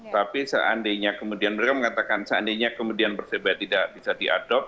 tapi seandainya kemudian mereka mengatakan seandainya kemudian persebaya tidak bisa diadopt